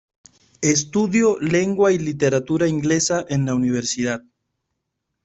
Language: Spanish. Estudió Lengua y Literatura Inglesa en la universidad.